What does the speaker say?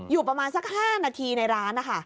อยู่ประมาณสัก๕นาทีในร้านนะคะ